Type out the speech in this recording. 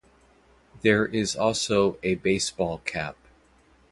There is also a baseball cap.